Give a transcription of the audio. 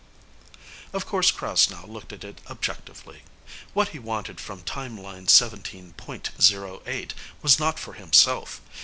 Of course, Krasnow looked at it objectively. What he wanted from Timeline Seventeen Point Zero Eight was not for himself.